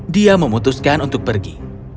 dia memutuskan untuk pergi